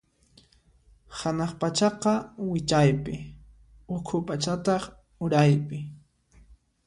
Hanaq pachaqa wichaypi, ukhu pachataq uraypi.